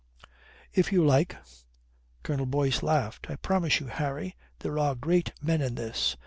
"If you like." Colonel Boyce laughed. I promise you, Harry, there are great men in this.